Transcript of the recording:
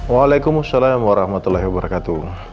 waalaikumsalam warahmatullahi wabarakatuh